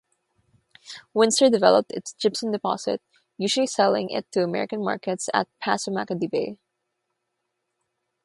Windsor developed its gypsum deposits, usually selling it to American markets at Passamaquoddy Bay.